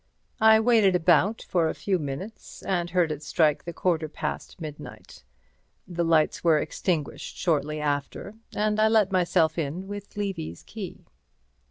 I waited about for a few minutes, and heard it strike the quarter past midnight. The lights were extinguished shortly after, and I let myself in with Levy's key.